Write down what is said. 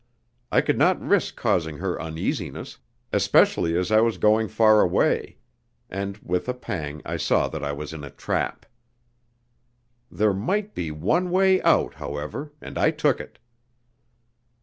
I could not risk causing her uneasiness, especially as I was going far away; and with a pang I saw that I was in a trap. There might be one way out, however, and I took it.